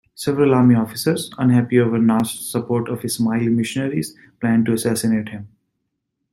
Several army officers, unhappy over Nasr's support of Ismaili missionaries, planned to assassinate him.